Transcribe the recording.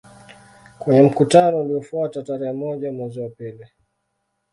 Kwenye mkutano uliofuata tarehe moja mwezi wa pili